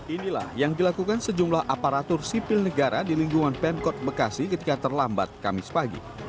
inilah yang dilakukan sejumlah aparatur sipil negara di lingkungan pemkot bekasi ketika terlambat kamis pagi